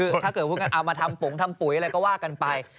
คือถ้าเกิดว่าเอามาทำปุ๋งทำปุ๋ยอะไรก็ว่ากันไป